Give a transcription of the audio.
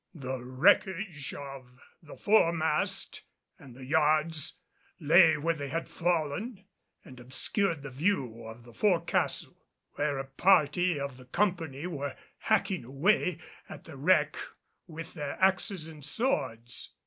The wreckage of the foremast and the yards lay where they had fallen and obscured the view of the fore castle where a party of the company were hacking away at the wreck with their axes and swords.